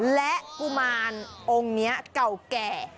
และกุมารองค์นี้เก่าแก่